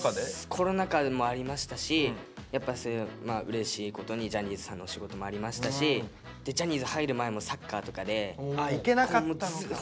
コロナ禍でもありましたしやっぱうれしいことにジャニーズさんのお仕事もありましたしジャニーズ入る前もサッカーとかでほぼほぼ行けない時がありまして。